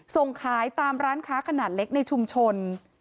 ส่งขายตามร้านค้าขนาดเล็กในชุมชน